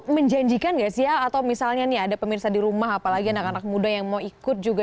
menjanjikan gak sih ya atau misalnya nih ada pemirsa di rumah apalagi anak anak muda yang mau ikut juga